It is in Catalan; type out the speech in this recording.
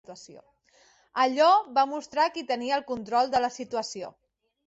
Allò va mostrar qui tenia el control de la situació.